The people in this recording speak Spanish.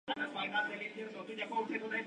Que ayudaron a que esto sucediera.